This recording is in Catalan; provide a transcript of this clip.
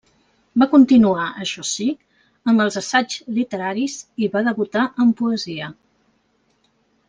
Va continuar, això sí, amb els assaigs literaris i va debutar en poesia.